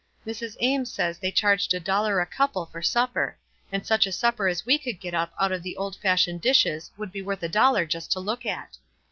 Mrs Ames says they charged a dollar a couple for supper ; and such a supper as we could get up out of the old fashioned dishes would be worth a dollar just to look at.